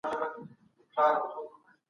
هر څه بیه لري.